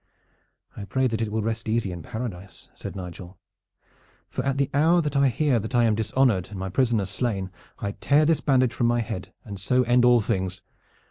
"I pray that it will rest easy in Paradise," said Nigel; "for at the hour that I hear that I am dishonored and my prisoner slain I tear this bandage from my head and so end all things.